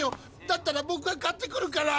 だったらぼくが買ってくるから。